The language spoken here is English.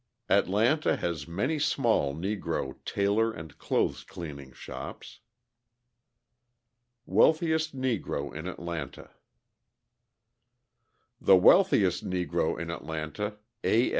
Atlanta has many small Negro tailor and clothes cleaning shops. Wealthiest Negro in Atlanta The wealthiest Negro in Atlanta, A.